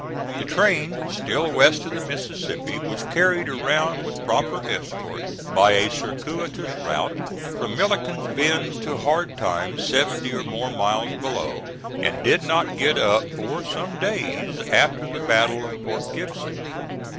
The train still west of the Mississippi was carried around with proper escort, by a circuitous route from Milliken's Bend to Hard Times seventy or more miles below, and did not get up for some days after the battle of Port Gibson.